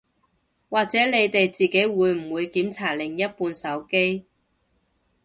或者你哋自己會唔會檢查另一半手機